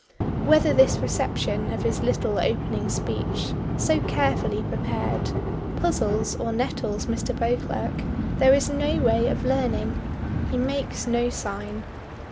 Whether this reception of his little opening speech so carefully prepared puzzles or nettles Mr. Beauclerk there is no way of learning. He makes no sign.